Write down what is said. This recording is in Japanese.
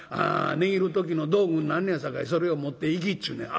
値切る時の道具になんのやさかいそれを持っていきっちゅうねん」。